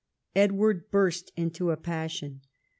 Edward burst into a passion.